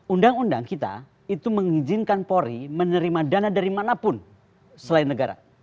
undang undang kita itu mengizinkan polri menerima dana dari manapun selain negara